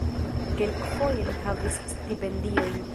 Kelkfoje li havis stipendiojn.